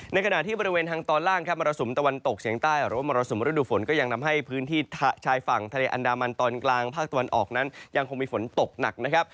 ในขณะที่บริเวณทางตอนล่างครับมรสุมตะวันตกเฉียงใต้หรือว่ามรสุมฤดูฝนก็ยังทำให้พื้นที่ชายฝั่งทะเลอันดามันตอนกลางภาคตะวันออกนั้นยังคงมีฝนตกหนักนะครับ